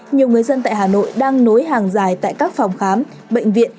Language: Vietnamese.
nhiều người dân tại hà nội đang nối hàng dài tại các phòng khám bệnh viện